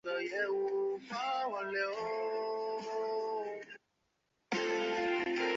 千绵车站大村线的沿线车站。